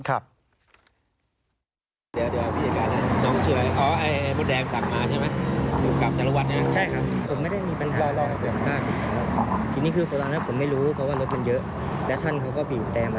น้ำปลาแดงอยู่ไหนผมบอกว่าเลยมาแล้วครับ